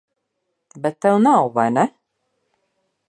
Bet tev nav, vai ne?